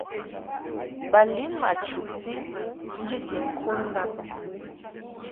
Ba lin ma chuʼti njiti ŋkud ndab.